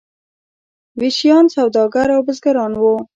ویشیان سوداګر او بزګران وو.